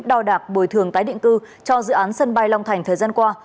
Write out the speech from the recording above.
đo đạc bồi thường tái định cư cho dự án sân bay long thành thời gian qua